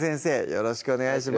よろしくお願いします